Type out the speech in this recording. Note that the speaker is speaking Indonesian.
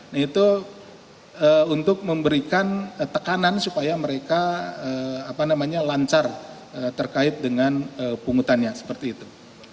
nah itu untuk memberikan tekanan supaya mereka lancar terkait dengan pungutannya seperti itu